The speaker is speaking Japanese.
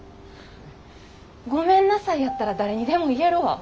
「ごめんなさい」やったら誰にでも言えるわ。